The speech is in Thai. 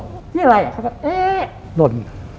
อันนี้อะไรอ่ะเขาก็เอ๊ะ